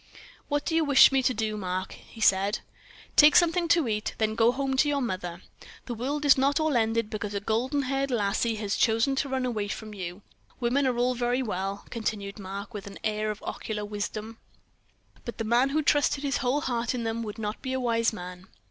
"What do you wish me to do, Mark?" he said. "Take something to eat, then go home to your mother. The world is not all ended because a golden haired lassie has chosen to run away from you. Women are all very well," continued Mark, with an air of oracular wisdom, "but the man who trusted his whole heart in them would not be a wise man."